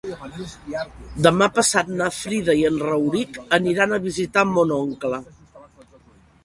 Demà passat na Frida i en Rauric aniran a visitar mon oncle.